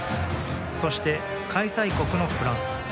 そして、開催国のフランス。